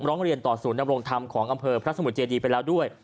ร้องเรียนต่อศูนยำรงธรรมของอำเภอพระสมุทรเจดีไปแล้วด้วย